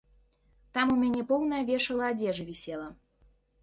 Там у мяне поўнае вешала адзежы вісела.